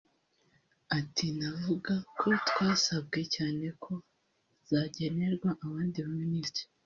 Ati “Navuga ko twasabwe cyane ko zagenerwa abandi baminisitiri